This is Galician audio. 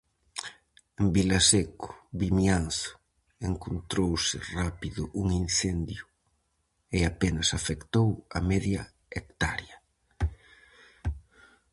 En Vilaseco, Vimianzo, encontrouse rápido un incendio e apenas afectou a media hectárea.